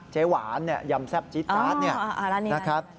เจ๊หวานย่ำแซ่บจิ๊ดจาร์ดร้านนี้นะครับ